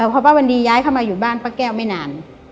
พอป้าวันดีย้ายเข้ามาอยู่บ้านป้าแก้วไม่นาน